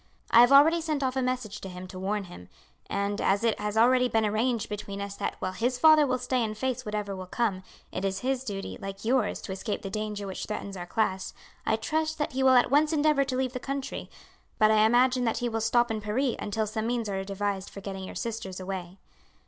I have already sent off a message to him to warn him; and as it has already been arranged between us that while his father will stay and face whatever will come, it is his duty, like yours, to escape the danger which threatens our class, I trust that he will at once endeavour to leave the country; but I imagine that he will stop in Paris until some means are devised for getting your sisters away.